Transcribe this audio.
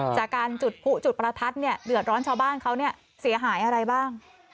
จากการจุดผู้จุดประทัดเนี่ยเดือดร้อนชาวบ้านเขาเนี่ยเสียหายอะไรบ้าง